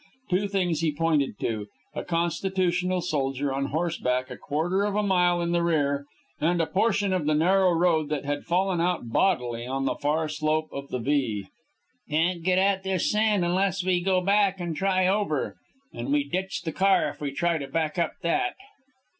Two things he pointed to: a constitutional soldier on horseback a quarter of a mile in the rear; and a portion of the narrow road that had fallen out bodily on the far slope of the V. "Can't get at this sand unless we go back and try over, and we ditch the car if we try to back up that."